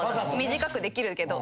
短くできるけど。